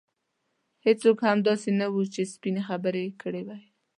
هېڅوک هم داسې نه وو چې سپینې خبرې یې کړې وای.